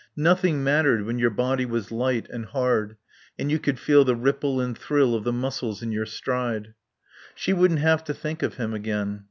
Nothing mattered when your body was light and hard and you could feel the ripple and thrill of the muscles in your stride. She wouldn't have to think of him again.